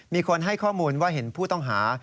มีคนให้ข้อมูลว่าเห็นผู้ต้องหา